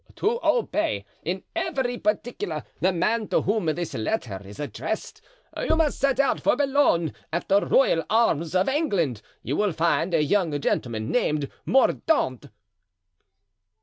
"To obey in every particular the man to whom this letter is addressed. You must set out for Boulogne. At the Royal Arms of England you will find a young gentleman named Mordaunt."